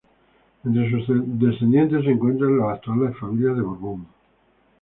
Entre sus descendientes se encuentran las actuales familias de Borbón.